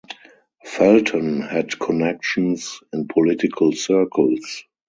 Felton had connections in political circles.